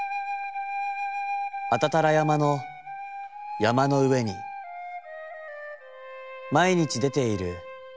阿多多羅山の山の上に毎日出てゐる